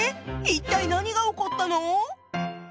一体何が起こったの？